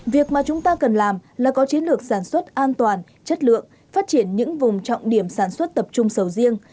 việc mà chúng ta cần làm là có chiến lược sản xuất an toàn chất lượng phát triển những vùng trọng điểm sản xuất tập trung sầu riêng